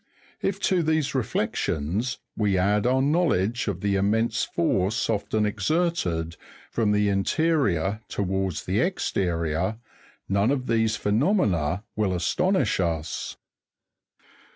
If to these reflections we add our knowledge of the immense force often exerted, from the interior towards the exterior, none of these phenomena will astonish us.